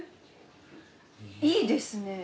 いいですね。